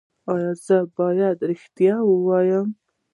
ایا زه باید ریښتیا ووایم؟